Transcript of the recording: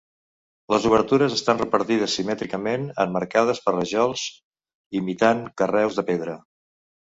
Les obertures estan repartides simètricament, emmarcades per rajols imitant carreus de pedra.